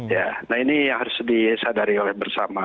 ya nah ini yang harus disadari oleh bersama